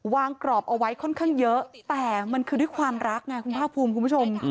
กรอบเอาไว้ค่อนข้างเยอะแต่มันคือด้วยความรักไงคุณภาคภูมิคุณผู้ชม